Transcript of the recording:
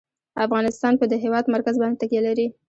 افغانستان په د هېواد مرکز باندې تکیه لري.